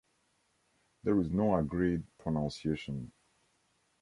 There is no agreed pronunciation.